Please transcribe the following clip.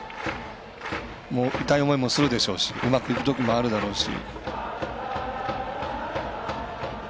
痛い思いもするでしょうしうまくいくこともあるでしょうし。